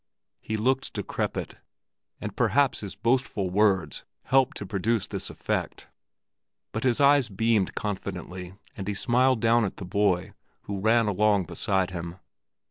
He looked decrepit, and perhaps his boastful words helped to produce this effect; but his eyes beamed confidently, and he smiled down at the boy, who ran along beside him.